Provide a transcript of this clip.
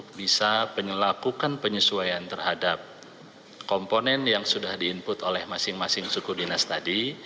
untuk bisa melakukan penyesuaian terhadap komponen yang sudah di input oleh masing masing suku dinas tadi